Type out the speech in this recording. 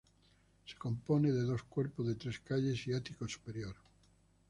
Se compone de dos cuerpos de tres calles y ático superior.